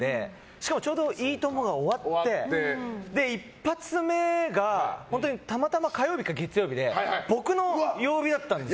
しかも、ちょうど「いいとも！」が終わって一発目がたまたま火曜日か月曜日で僕の曜日だったんですよ。